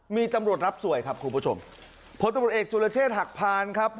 มีตำรวจรับสวยครับคุณผู้ชมพลตำรวจเอกสุรเชษฐ์หักพานครับ